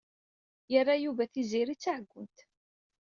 Yerra Yuba Tiziri d taɛeggunt.